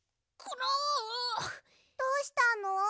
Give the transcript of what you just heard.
どうしたの？